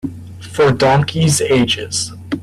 For donkeys' ages.